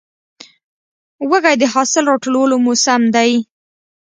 وږی د حاصل راټولو موسم دی.